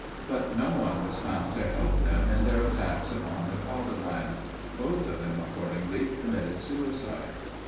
But no one was found to help them in their attacks upon their fatherland. Both of them accordingly committed suicide.